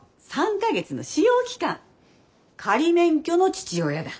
３か月の試用期間仮免許の父親だ。